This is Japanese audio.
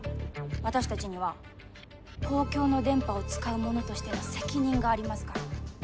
私たちには公共の電波を使う者としての責任がありますから！